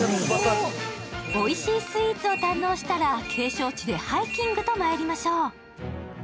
おいしいスイーツを堪能したら、景勝地でハイキングとまいりましょう。